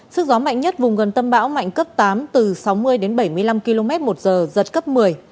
sức gió mạnh nhất vùng gần tâm bão mạnh cấp tám từ sáu mươi đến bảy mươi năm km một giờ giật cấp một mươi